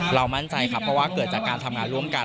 มั่นใจครับเพราะว่าเกิดจากการทำงานร่วมกัน